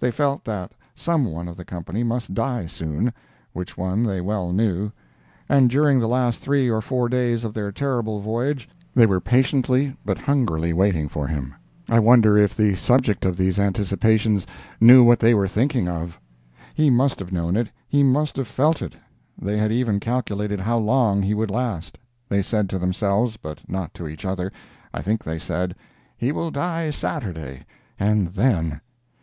They felt that someone of the company must die soon—which one they well knew; and during the last three or four days of their terrible voyage they were patiently but hungrily waiting for him. I wonder if the subject of these anticipations knew what they were thinking of? He must have known it—he must have felt it. They had even calculated how long he would last; they said to themselves, but not to each other, I think they said, "He will die Saturday—and then!"